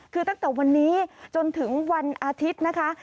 คือตั้งแต่วันนี้จนถึงวันอาทิตย์นะคะ